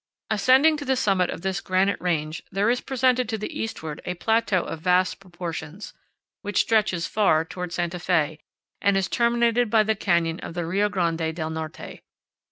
Ascending to the summit of this granite range, there is presented to the eastward a plateau of vast proportions, which stretches far toward Santa Fe and is terminated by the canyon of the Rio Grande del Norte.